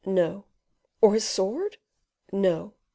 "No." "Or his sword?" "No."